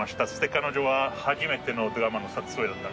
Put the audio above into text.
彼女は初めてのドラマの撮影だった。